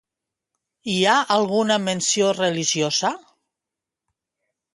Hi ha alguna menció religiosa?